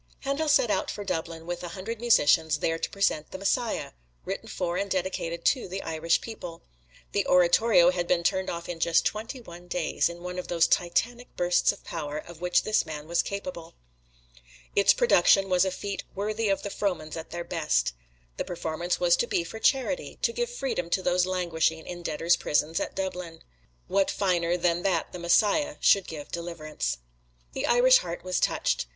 Handel set out for Dublin with a hundred musicians, there to present the "Messiah," written for and dedicated to the Irish people. The oratorio had been turned off in just twenty one days, in one of those titanic bursts of power, of which this man was capable. Its production was a feat worthy of the Frohmans at their best. The performance was to be for charity to give freedom to those languishing in debtors' prisons at Dublin. What finer than that the "Messiah" should give deliverance? The Irish heart was touched.